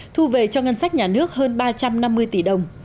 thu về cho ngân sách nhà nước hơn ba trăm năm mươi tỷ đồng